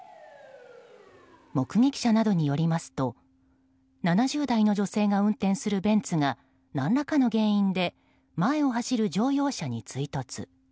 目撃者などによりますと７０代の女性が運転するベンツが何らかの原因で前を走る乗用車に追突。